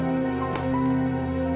mama gak mau berhenti